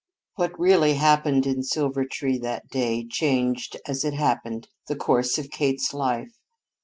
What really happened in Silvertree that day changed, as it happened, the course of Kate's life.